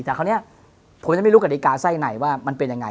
แต่คราวนี้ผมจะไม่รู้กฎิกาไส้ในว่ามันเป็นยังไง